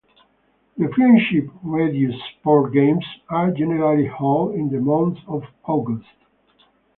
The Friendship Radiosport Games are generally held in the month of August.